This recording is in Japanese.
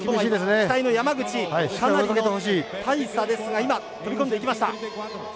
期待の山口、かなり大差ですが今、飛び込んでいきました。